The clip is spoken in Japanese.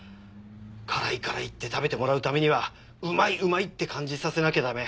「辛い辛い」って食べてもらうためには「うまいうまい」って感じさせなきゃ駄目。